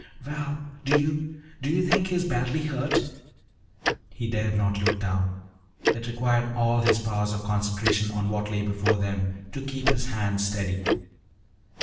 "Val, do you do you think he is badly hurt?" He dared not look down; it required all his powers of concentration on what lay before them to keep his hand steady.